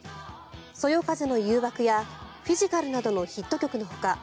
「そよ風の誘惑」や「フィジカル」などのヒット曲のほか